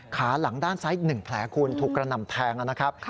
ขาหลังด้านซ้าย๑แผลคุณถูกกระหน่ำแทงนะครับ